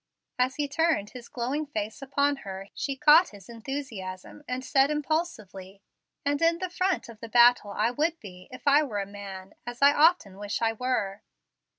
As he turned his glowing face upon her she caught his enthusiasm, and said impulsively, "And in the front of the battle I would be, if I were a man, as I often wish I were."